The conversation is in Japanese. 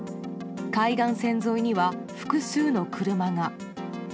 海岸線沿いには複数の車が。